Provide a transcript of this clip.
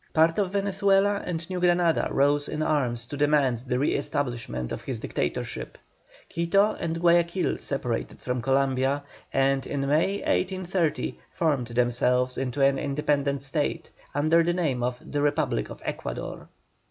Part of Venezuela and New Granada rose in arms to demand the re establishment of his dictatorship. Quito and Guayaquil separated from Columbia, and in May, 1830, formed themselves into an independent State, under the name of THE REPUBLIC OF ECUADOR.